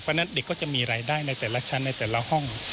เพราะฉะนั้นเด็กก็จะมีรายได้ในแต่ละชั้นในแต่ละห้อง